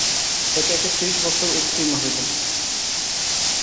একে একে ত্রিশ বৎসর উত্তীর্ণ হইল।